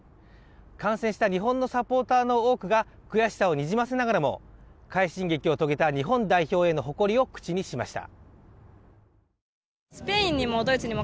観戦した日本のサポーターの多くが悔しさをにじませながらも快進撃を遂げた日本代表への誇りを口にしました